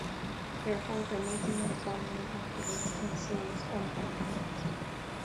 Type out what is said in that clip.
Therefore, by making one's body uncomfortable, one's soul is uncomfortable.